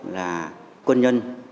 là quân nhân